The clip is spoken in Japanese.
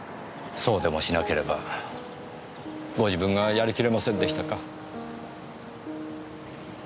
そうでもしなければご自分がやりきれませんでしたか？